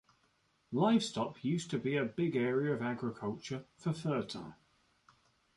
Livestock used to be a big area of agriculture for Fertile.